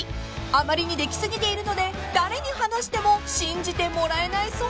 ［あまりにできすぎているので誰に話しても信じてもらえないそうです］